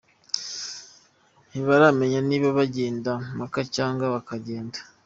Ntibaramenya niba bagenda i Maka cyangwa batagenda….